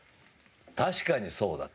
確かにそうだと。